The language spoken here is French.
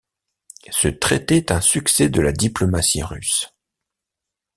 Ce traité est un succès de la diplomatie russe.